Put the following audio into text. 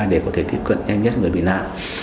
để có thể tiếp cận nhanh nhất người bị nạn